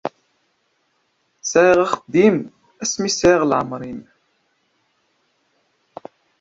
Sɛiɣ axeddim asmi sɛiɣ leɛmeṛ-im.